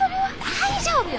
大丈夫よ！